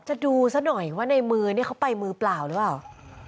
ดูซะหน่อยว่าในมือนี่เขาไปมือเปล่าหรือเปล่า